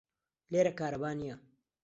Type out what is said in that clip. لێرە کارەبا نییە.